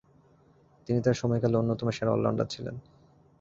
তিনি তার সময়কালে অন্যতম সেরা অল-রাউন্ডার ছিলেন।